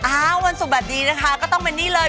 วันศุกร์แบบนี้นะคะก็ต้องเป็นนี่เลย